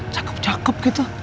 cakep cakep gitu